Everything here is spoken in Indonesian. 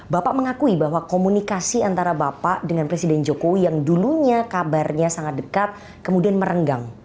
bapak mengakui bahwa komunikasi antara bapak dengan presiden jokowi yang dulunya kabarnya sangat dekat kemudian merenggang